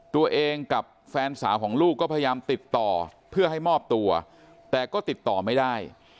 ตัวเองกับแฟนสาวของลูกก็พยายามติดต่อเพื่อให้มอบตัวแต่ก็ติดต่อไม่ได้